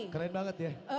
keren banget ya